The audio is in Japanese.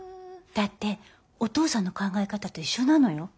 だってお父さんの考え方と一緒なのよ。